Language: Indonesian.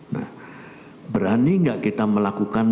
nah berani nggak kita melakukan